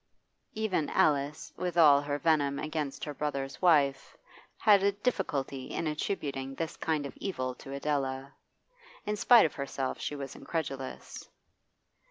Even Alice, with all her venom against her brother's wife, had a difficulty in attributing this kind of evil to Adela. In spite of herself she was incredulous.